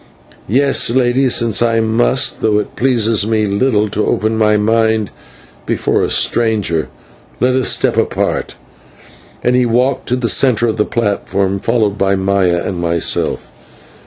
"Yes, Lady, since I must, though it pleases me little to open my mind before a stranger. Let us step apart" and he walked to the centre of the platform, followed by Maya and myself.